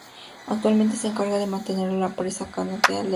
Actualmente se encarga de mantenerlo la empresa Canonical Ltd.